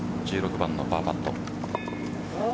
１６番のパーパット。